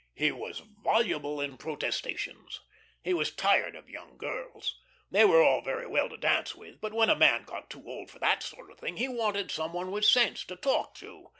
He was voluble in protestations. He was tired of young girls. They were all very well to dance with, but when a man got too old for that sort of thing, he wanted some one with sense to talk to.